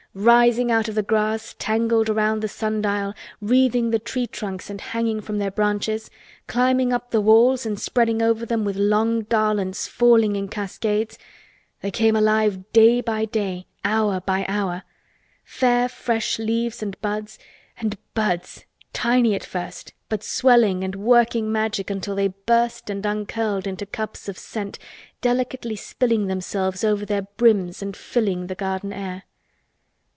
Rising out of the grass, tangled round the sun dial, wreathing the tree trunks and hanging from their branches, climbing up the walls and spreading over them with long garlands falling in cascades—they came alive day by day, hour by hour. Fair fresh leaves, and buds—and buds—tiny at first but swelling and working Magic until they burst and uncurled into cups of scent delicately spilling themselves over their brims and filling the garden air.